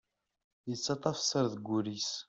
Yettaṭṭaf sser deg wul-is.